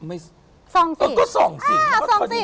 เออ๒๕อะ๓๔